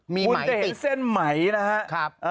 มีไหมติดคุณจะเห็นเส้นไหมนะฮะ